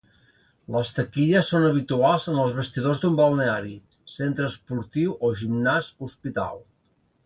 Les taquilles són habituals en els vestidors d'un balneari, centre esportiu o gimnàs, hospital.